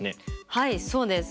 はいそうです。